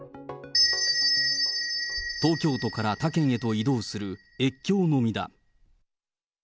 東京都から他県へと移動する越境飲みだ。